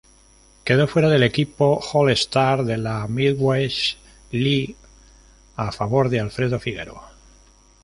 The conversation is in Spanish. Quedó fuera del equipo All-Star de la Midwest League a favor de Alfredo Fígaro.